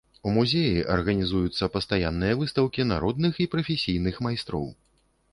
У музеі арганізуюцца пастаянныя выстаўкі народных і прафесійных майстроў.